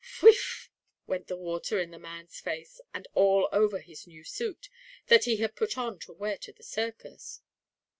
"Whewiff!" went the water in the man's face, and all over his new suit, that he had put on to wear to the circus.